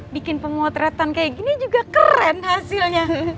bikin pemotretan kayak gini juga keren hasilnya